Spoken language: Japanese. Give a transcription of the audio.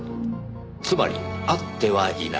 つまり会ってはいない。